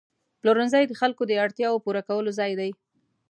پلورنځی د خلکو د اړتیاوو پوره کولو ځای دی.